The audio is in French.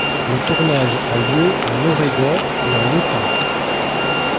Le tournage a lieu en Oregon et en Utah.